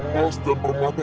mas dan permata aku